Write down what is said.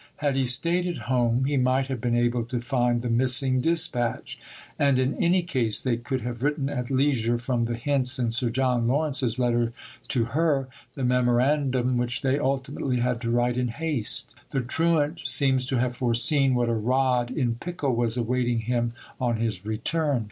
Had he stayed at home, he might have been able to find the missing dispatch; and in any case they could have written at leisure, from the hints in Sir John Lawrence's letter to her, the Memorandum which they ultimately had to write in haste. The truant seems to have foreseen what a rod in pickle was awaiting him on his return.